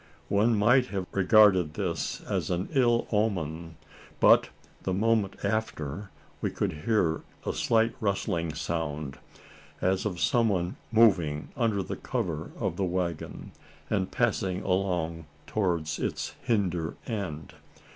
One might have regarded this as an ill omen; but, the moment after, we could hear a slight rustling sound as of some one moving under the cover of the waggon, and passing along towards its hinder end.